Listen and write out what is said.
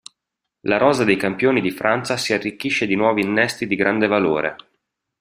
La rosa dei campioni di Francia si arricchisce di nuovi innesti di grande valore.